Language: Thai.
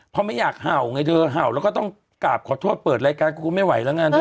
เพราะไม่อยากเห่าไงเธอเห่าแล้วก็ต้องกราบขอโทษเปิดรายการครูไม่ไหวแล้วงานเถ